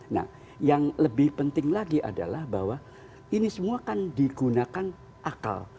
nah yang lebih penting lagi adalah bahwa ini semua kan digunakan akal